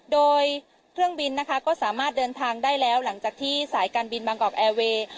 โดยเครื่องบินนะคะก็สามารถเดินทางได้แล้วหลังจากที่สายการบินบางกอกแอร์เวย์